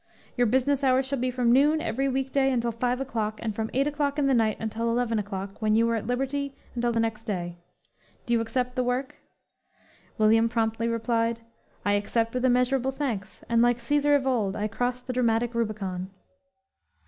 "Your business hours shall be from noon, every week day, until five o'clock; and from eight o'clock in the night until eleven o'clock, when you are at liberty until the next day! "Do you accept the work?" William promptly replied: "I accept with immeasurable thanks, and like Cæsar of old, I cross the dramatic Rubicon."